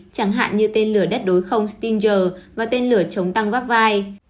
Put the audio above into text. chẳng hạn như tên lửa đất đối không stinger và tên lửa chống tăng vaci